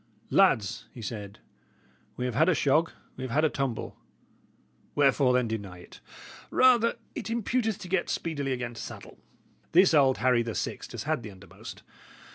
"Lads," he said, "we have had a shog, we have had a tumble; wherefore, then, deny it? Rather it imputeth to get speedily again to saddle. This old Harry the Sixt has had the undermost.